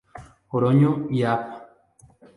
Oroño y Av.